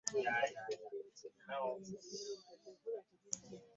Abayizi abe kibiina ekyokutaano bawandiika bubi nnyo!